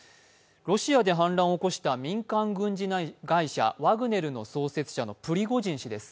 ロシアで反乱を起こした民間軍事会社ワグネルの創設者のプリゴジン氏です。